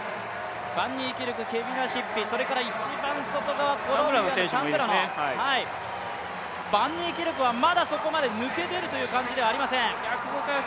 バンニーキルク、ケビナシッピ、それから一番外側、コロンビアのサンブラノバンニーキルクはまだそこまで抜け出るという感じではありません。